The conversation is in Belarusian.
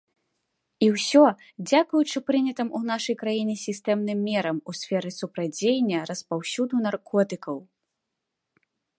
І ўсё дзякуючы прынятым у нашай краіне сістэмным мерам у сферы супрацьдзеяння распаўсюду наркотыкаў.